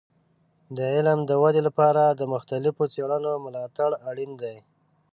د علم د ودې لپاره د مختلفو څیړنو ملاتړ اړین دی.